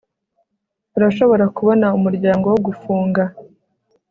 urashobora kubona umuryango wo gufunga